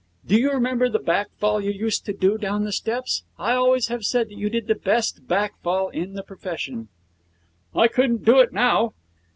'Do you remember the back fall you used to do down the steps? I always have said that you did the best back fall in the profession.' 'I couldn't do it now!'